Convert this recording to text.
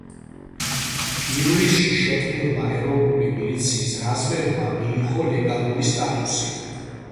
ივლისში შექმნილმა ეროვნული მილიციის რაზმებმა მიიღო ლეგალური სტატუსი.